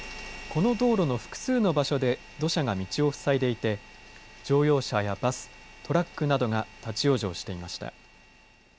この道路の複数の場所で、土砂が道を塞いでいて、乗用車やバス、トラックなどが立往生していました。